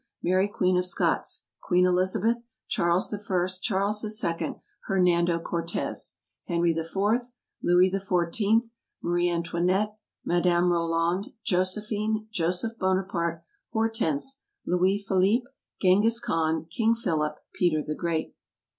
Mary Queen of Scots. Queen Elizabeth. Charles I. Charles II. Hernando Cortez. Henry IV. Louis XIV. Maria Antoinette. Madame Roland. Josephine. Joseph Bonaparte. Hortense. Louis Philippe. Genghis Khan. King Philip. Peter the Great.